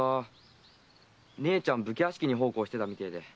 姉ちゃん武家屋敷に奉公してたみたいで。